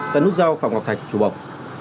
tại nút dao phạm ngọc thạch chùa bọc